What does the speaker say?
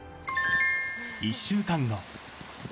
１週間後。